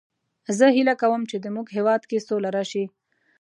زه هیله کوم چې د مونږ هیواد کې سوله راشي